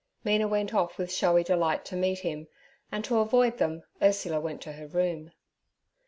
Mina went off with showy delight to meet him, and to avoid them Ursula went to her room.